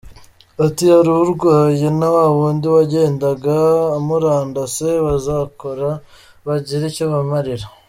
Ati“Ari urwaye na wawundi wagendaga amurandase bazakora bagire icyo bimarira.